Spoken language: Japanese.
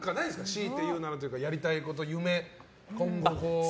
しいて言うならとかやりたいこと、夢、今後。